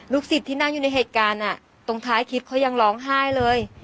ศิษย์ที่นั่งอยู่ในเหตุการณ์ตรงท้ายคลิปเขายังร้องไห้เลย